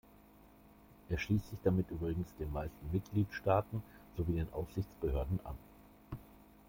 Er schließt sich damit übrigens den meisten Mitgliedstaaten sowie den Aufsichtsbehörden an.